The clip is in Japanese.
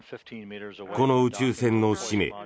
この宇宙船の使命